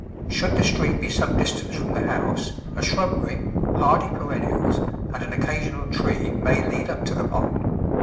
Should the stream be some distance from the house a shrubbery, hardy perennials, and an occasional tree may lead up to the pond.